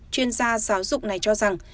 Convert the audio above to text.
chuyên gia giáo dục này cho rằng